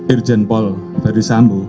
irjen pol dari sambu